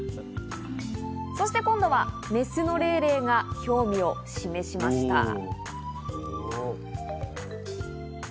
そして今度はメスのレイレイが興味を示しました。